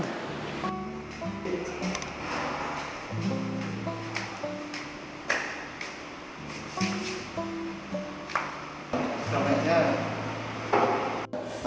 chào mẹ nhé